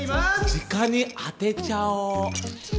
直に当てちゃおう！